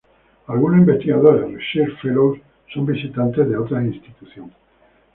Algunos investigadores "research fellows" son visitantes de otra institución.